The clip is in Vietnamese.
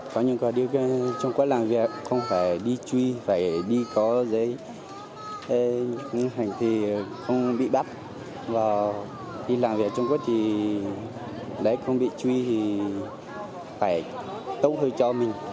có những điều khiến trung quốc làm việc không phải đi truy phải đi có giấy nhưng hành thì không bị bắt và đi làm việc trung quốc thì để không bị truy thì phải tốt hơn cho mình